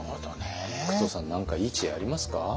服藤さん何かいい知恵ありますか？